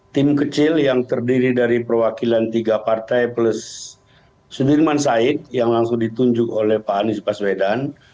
tim kecil yang terdiri dari perwakilan tiga partai plus sudirman said yang langsung ditunjuk oleh pak anies paswedan